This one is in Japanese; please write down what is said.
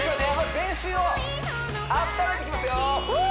全身を温めていきますよフー！